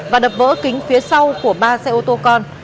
và đập vỡ kính phía sau của ba xe ô tô con